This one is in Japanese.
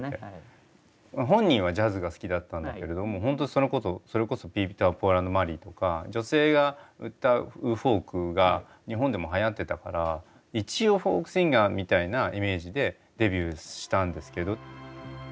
本人はジャズが好きだったんだけれどもホントそれこそピーター、ポール＆マリーとか女性が歌うフォークが日本でもはやってたから一応フォークシンガーみたいなイメージでデビューしたんですけど。